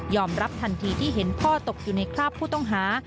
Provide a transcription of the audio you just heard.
รับทันทีที่เห็นพ่อตกอยู่ในคราบผู้ต้องหา